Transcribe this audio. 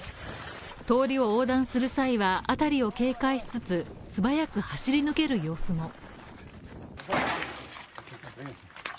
通りを横断する際は、辺りを警戒しつつ素早く走り抜ける様子も。